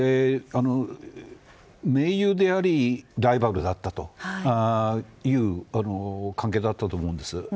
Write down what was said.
盟友でありライバルだったという関係だったと思うんです。